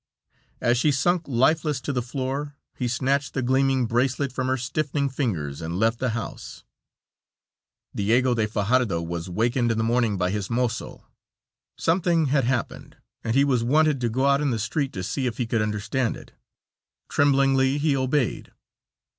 As she sunk lifeless to the floor, he snatched the gleaming bracelet from her stiffening fingers and left the house. Diego do Fajardo was wakened in the morning by his mozo. Something had happened and he was wanted to go out in the street to see if he could understand it. Tremblingly he obeyed.